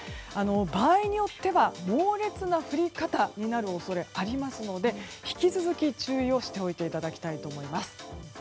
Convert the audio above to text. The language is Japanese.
場合によっては猛烈な降り方になる恐れがありますので引き続き注意をしておいていただきたいと思います。